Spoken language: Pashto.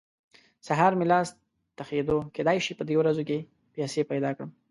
سهار مې لاس تخېدو؛ کېدای شي په دې ورځو کې پيسې پیدا کړم.